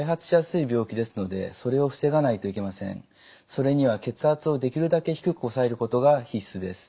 それには血圧をできるだけ低く抑えることが必須です。